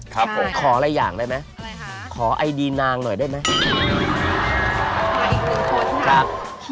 ครับผมขออะไรอย่างได้ไหมขอไอดีนางหน่อยได้ไหม